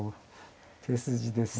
手筋ですね。